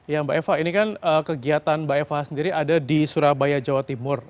ya mbak eva ini kan kegiatan mbak eva sendiri ada di surabaya jawa timur